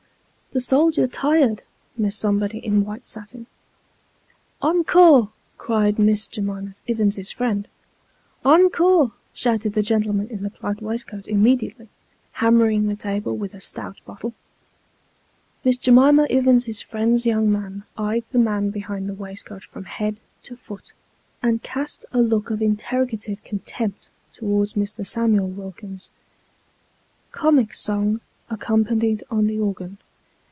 " The soldier tired," Miss Somebody in white satin. " Ancore !" cried Miss J'mima Ivins's friend. " Ancore !" shouted the gentleman in the plaid waist coat immediately, hammering the table with a stout bottle. Miss J'mima Ivins's friend's young man eyed the man behind the waistcoat from head to foot, and cast a look of interrogative contempt towards Mr. Samuel Wilkins. Comic song, accompanied on the organ.